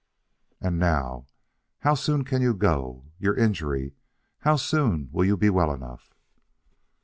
"And now, how soon can you go? Your injury how soon will you be well enough?"